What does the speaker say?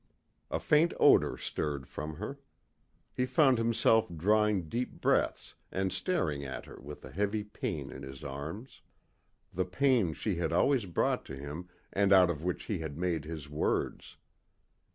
A faint odor stirred from her. He found himself drawing deep breaths and staring at her with a heavy pain in his arms. The pain she had always brought to him and out of which he had made his words.